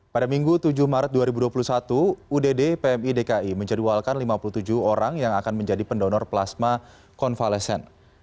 pada minggu tujuh maret dua ribu dua puluh satu udd pmi dki menjadwalkan lima puluh tujuh orang yang akan menjadi pendonor plasma konvalesen